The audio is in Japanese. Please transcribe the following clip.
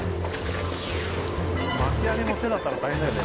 巻き上げも手だったら大変だよね。